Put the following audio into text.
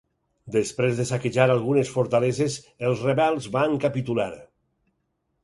Després de saquejar algunes fortaleses els rebels van capitular.